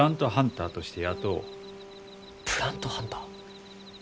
プラントハンター？